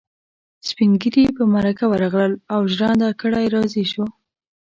سپين ږيري په مرکه ورغلل او ژرنده ګړی راضي شو.